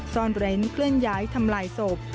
ซ่อนเร้นเคลื่อนย้ายทำลายศพ